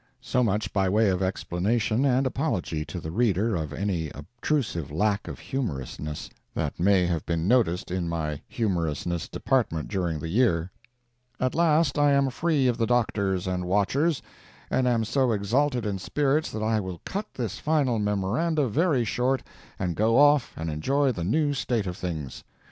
] [So much by way of explanation and apology to the reader of any obtrusive lack of humorousness that may have been noticed in my humorousness department during the year. At last I am free of the doctors and watchers, and am so exalted in spirits that I will cut this final MEMORANDA very short and go off and enjoy the new state of things.